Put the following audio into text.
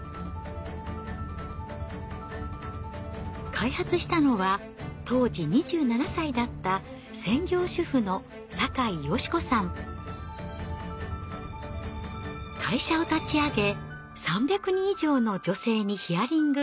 開発したのは当時２７歳だった専業主婦の会社を立ち上げ３００人以上の女性にヒアリング。